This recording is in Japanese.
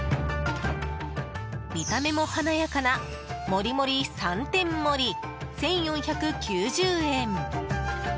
見た目も華やかなもりもり三点盛、１４９０円。